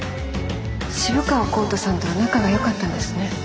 渋川孔太さんとは仲がよかったんですね。